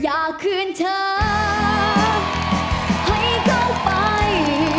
อยากคืนเธอให้เขาไป